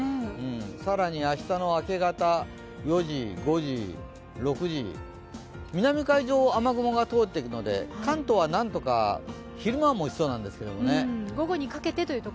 更に明日の明け方、６時南海上、雨雲が通ってくので関東は何とか昼間はもちそうなんですけどね。